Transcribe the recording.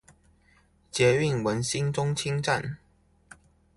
捷運文心中清站